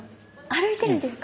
歩いてるんですか？